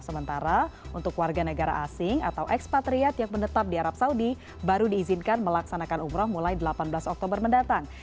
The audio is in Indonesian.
sementara untuk warga negara asing atau ekspatriat yang menetap di arab saudi baru diizinkan melaksanakan umroh mulai delapan belas oktober mendatang